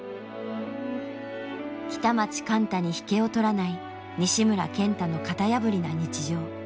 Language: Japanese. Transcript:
北町貫多に引けを取らない西村賢太の型破りな日常。